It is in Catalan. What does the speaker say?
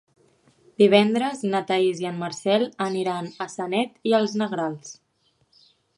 Divendres na Thaís i en Marcel aniran a Sanet i els Negrals.